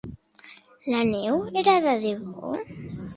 La neu era de debò?